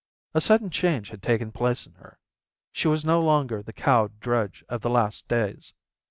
A sudden change had taken place in her. She was no longer the cowed drudge of the last days.